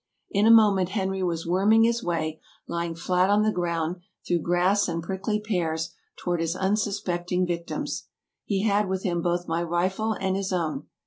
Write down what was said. In a moment Henry was worming his way, lying flat on the ground, through grass and prickly pears, toward his unsuspecting victims. He had with him both my rifle and his own.